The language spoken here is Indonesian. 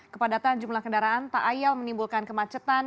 kepadatan jumlah kendaraan tak ayal menimbulkan kemacetan